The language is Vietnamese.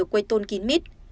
quấy tôn kín mít